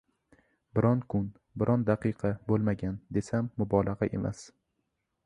biron kun, biron daqiqa bo‘lmagan, desam, mubolag‘a emas.